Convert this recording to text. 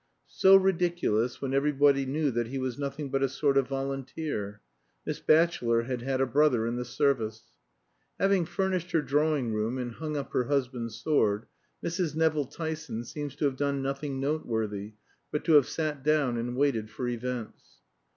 So ridiculous, when everybody knew that he was nothing but a sort of volunteer (Miss Batchelor had had a brother in "the Service"). Having furnished her drawing room, and hung up her husband's sword, Mrs. Nevill Tyson seems to have done nothing noteworthy, but to have sat down and waited for events.